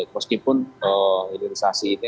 meskipun hidupisasi ini